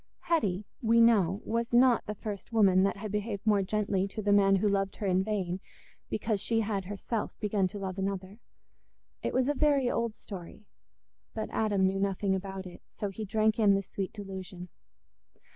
Hetty, we know, was not the first woman that had behaved more gently to the man who loved her in vain because she had herself begun to love another. It was a very old story, but Adam knew nothing about it, so he drank in the sweet delusion.